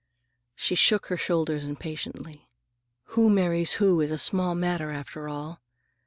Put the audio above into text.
She shook her shoulders impatiently. "Who marries who is a small matter, after all.